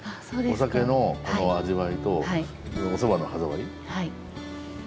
お酒の味わいとおそばの歯触り。